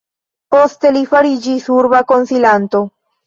Poste li fariĝis urba konsilanto.